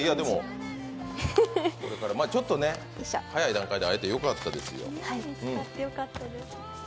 ちょっと早い段階で会えてよかったですよ。